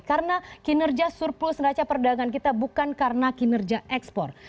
karena kinerja surplus neraca perdagangan kita bukan karena kinerja ekspor